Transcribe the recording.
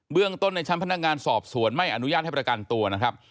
เรื่องต้นในชั้นพนักงานสอบสวนไม่อนุญาตให้ประกันตัวนะครับ